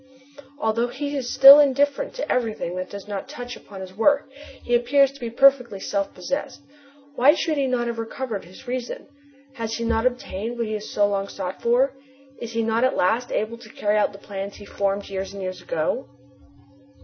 Although he is still indifferent to everything that does not touch upon his work he appears to be perfectly self possessed. Why should he not have recovered his reason? Has he not obtained what he has so long sought for? Is he not at last able to carry out the plans he formed years and years ago?